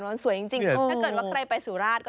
ถ้าใครไปสุราช